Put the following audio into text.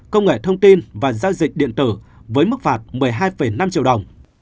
công nghệ thông tin và giao dịch điện tử với mức phạt một mươi hai năm triệu đồng